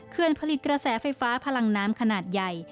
ผลิตกระแสไฟฟ้าพลังน้ำขนาดใหญ่